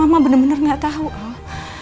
mama bener bener gak tau al